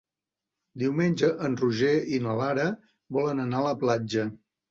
Diumenge en Roger i na Lara volen anar a la platja.